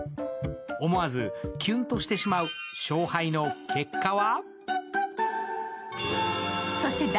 思わずキュンとしてしまう勝敗の結果は？